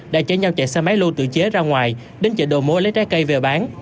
đã chở nhau chạy xe máy lô tự chế ra ngoài đến chợ đồ mối lấy trái cây về bán